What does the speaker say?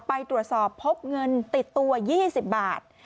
ไปตรวจสอบพบเงินติดตัว๒๐บาท